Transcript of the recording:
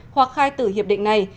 hoặc khai tử hiệp định này